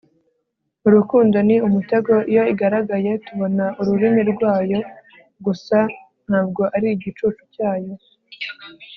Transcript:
urukundo ni umutego iyo igaragaye, tubona urumuri rwayo gusa, ntabwo ari igicucu cyayo